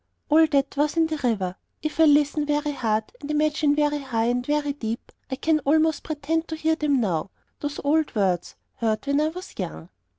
All that was in the river. If I listen very hard, and imagine very high and very deep, I can almost pretend to hear them now, those old words, heard when I was young.